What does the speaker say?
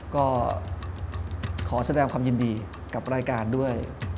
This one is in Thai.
ก็ขอแสดงความยินดีกับรายการด้วย